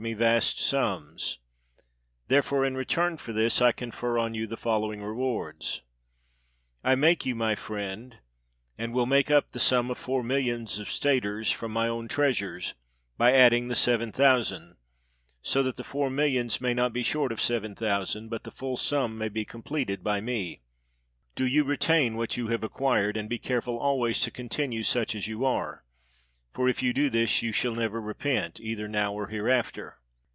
PERSIA me vast sums; therefore, in return for this, I confer on you the following rewards: I make you my friend, and will make up the sum of four milhons of staters from my own treasures, by adding the seven thousand; so that the four miUions may not be short of seven thousand, but the full sum may be completed by me. Do you retain what you have acquired, and be careful always to con tinue such as you are; for if you do this you shall never repent, either now or hereafter."